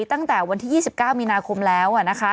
ตั้งแต่วันที่๒๙มีนาคมแล้วนะคะ